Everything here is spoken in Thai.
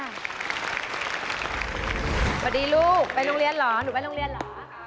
สวัสดีลูกหนูไปโรงเรียนหรอ